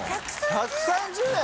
１３０円？